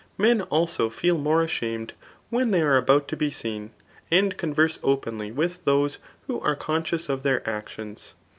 Men also feel more ashamed when diey are about to be seen, and converse openly with those who are conscious fof their actions.